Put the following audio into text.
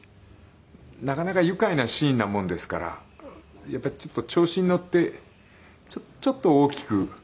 なかなか愉快なシーンなもんですからやっぱり調子に乗ってちょっと大きく。